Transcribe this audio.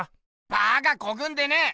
バカこくんでねぇ！